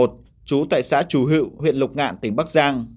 trú tại xã chù hựu huyện lục ngạn tỉnh bắc giang